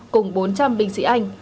cùng bốn trăm linh binh sĩ anh